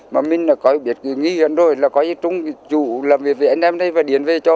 mà mình có biết cái nguy hiểm rồi là có những chủ làm việc với anh em đây và điền về cho